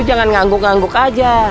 jangan ngangguk ngangguk aja